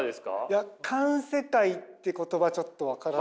いや環世界っていう言葉ちょっと分からない。